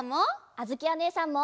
あづきおねえさんも！